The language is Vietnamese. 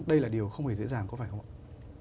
đây là điều không hề dễ dàng có phải không ạ